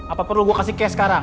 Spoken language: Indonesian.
apa perlu gue kasih kayak sekarang